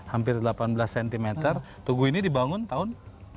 hampir delapan belas cm tugu ini dibangun tahun